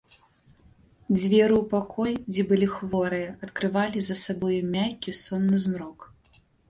Дзверы ў пакой, дзе былі хворыя, адкрывалі за сабою мяккі сонны змрок.